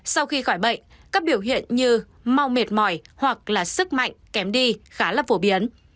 sau khi khỏi bệnh các biểu hiện như mau mệt mỏi hoặc là sức mạnh kém đi khá là phổ biến